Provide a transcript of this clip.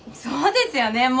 そうですよね